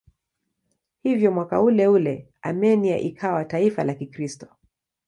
Hivyo mwaka uleule Armenia ikawa taifa la Kikristo.